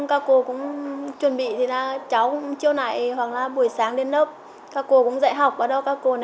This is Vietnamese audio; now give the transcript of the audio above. các cô cũng chuẩn bị cháu cũng chiều nãy hoặc buổi sáng đến lớp các cô cũng dạy học ở đó